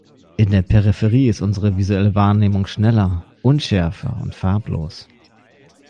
In der Peripherie ist unsere visuelle Wahrnehmung schneller, unschärfer und farblos.